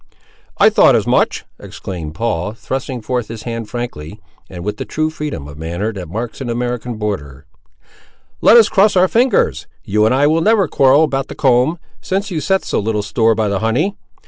"I thought as much," exclaimed Paul, thrusting forth his hand frankly, and with the true freedom of manner that marks an American borderer. "Let us cross fingers. You and I will never quarrel about the comb, since you set so little store by the honey.